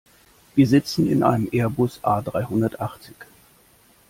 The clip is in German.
Wir sitzen in einem Airbus A-dreihundertachtzig.